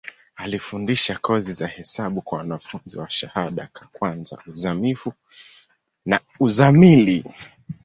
Alifundisha kozi za hesabu kwa wanafunzi wa shahada ka kwanza, uzamivu na uzamili.